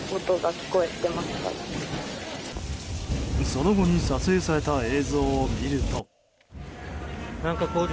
その後に撮影された映像を見ると。